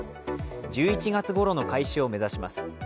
１１月ごろの開始を目指します。